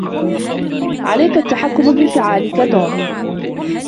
عليك التحكم بانفعالك، توم.